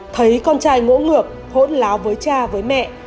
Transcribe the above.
thấy con trai ngỗ ngược hỗn láo với cha với mẹ